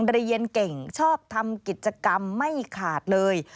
เรียนเก่งชอบทำกิจกรรมไม่ขาดเลย